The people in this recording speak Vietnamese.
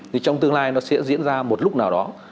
thì trong tương lai nó sẽ diễn ra một lúc nào đó